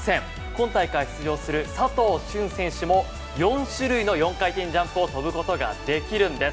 今大会出場する佐藤駿選手も４種類の４回転ジャンプを跳ぶことができるんです。